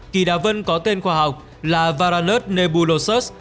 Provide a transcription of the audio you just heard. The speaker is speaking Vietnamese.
kỳ đà vân có tên khoa học là varanus nebuloset